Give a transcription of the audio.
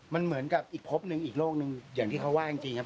มันเหมือนกับอีกพบหนึ่งอีกโลกหนึ่งอย่างที่เขาว่าจริงครับ